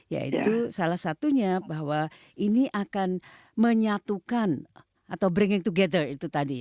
ya itu salah satunya bahwa ini akan menyatukan atau bringing together itu tadi ya